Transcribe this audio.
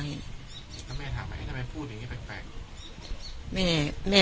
แล้วแม่ถามไหมทำไมพูดอย่างนี้แปลก